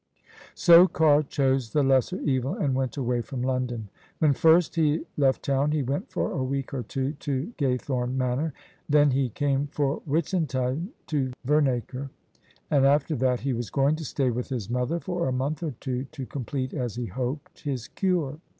So Carr chose the lesser evil, and went away from London. When first he left town he went for a week or two to GajTthome Manor; then he came for Whitsuntide to Vema cre; and after that he was going to stay with his mother for a month or two to complete, as he hoped, his cure.